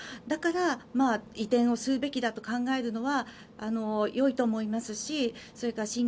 だから、移転をするべきだと考えるのはよいと思いますしそれから